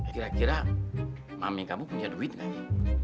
kira kira mami kamu punya duit nggak ya